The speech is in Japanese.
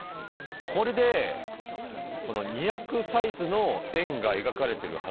これでこの２００サイズの円が描かれてるはずなんですよ。